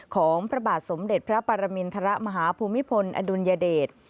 ของพระบาทสมเด็จพระปรมินทรมาฮภูมิพลอดุลยเดช